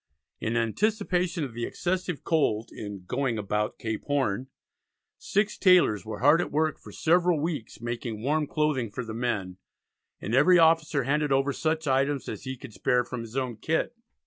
In anticipation of the excessive cold in "going about Cape Horn" six tailors were hard at work for several weeks making warm clothing for the men, and every officer handed over such items as he could spare from his own kit.